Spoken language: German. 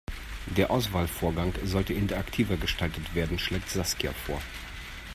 Der Auswahlvorgang sollte interaktiver gestaltet werden, schlägt Saskia vor.